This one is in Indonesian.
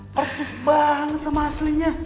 persis banget sama aslinya